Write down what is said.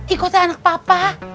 ikoh tuh anak papa